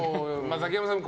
ザキヤマさん